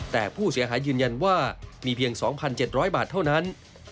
แต่ผู้เสียหายยืนยันว่ามีเพียง๒๗๐๐บาทเท่านั้น